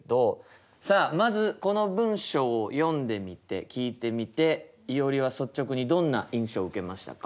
さあまずこの文章を読んでみて聞いてみていおりは率直にどんな印象を受けましたか？